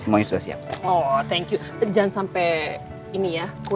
mau standard smartphone atau